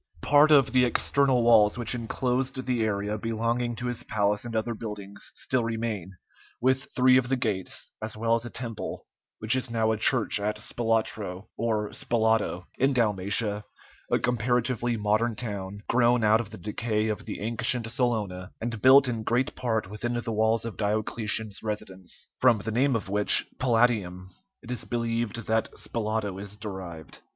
] Part of the external walls which inclosed the area belonging to his palace and other buildings still remain, with three of the gates, as well as a temple, which is now a church at Spalatro, or Spalato, in Dalmatia, a comparatively modern town, grown out of the decay of the ancient Salona, and built in great part within the walls of Diocletian's residence, from the name of which, "Palatium," it is believed that "Spalato" is derived.